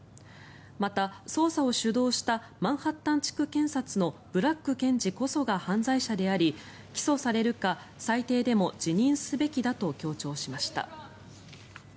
また、捜査を主導したマンハッタン地区検察のブラッグ検事こそが犯罪者であり、起訴されるか最低でも辞任すべきだと強調しました。